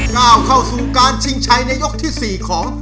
ก้าวเข้าสู่การชิงชัยในยกที่๔ของ